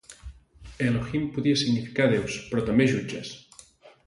Elohim podia significar 'déus' però també 'jutges'.